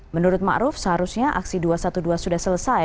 menurut ⁇ maruf ⁇ seharusnya aksi dua ratus dua belas sudah selesai